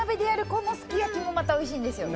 このすきやきもまた美味しいんですよ。